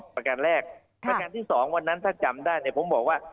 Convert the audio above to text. ประการแรกประการที่๒วันนั้นถ้าจำได้เนี่ยผมบอกว่า